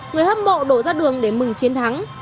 người hâm mộ đổ ra đường để mừng chiến thắng